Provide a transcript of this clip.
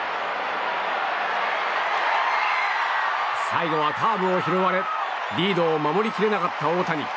最後はカーブを拾われリードを守り切れなかった大谷。